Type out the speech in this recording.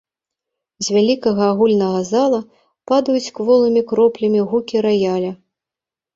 З вялікага агульнага зала падаюць кволымі кроплямі гукі раяля.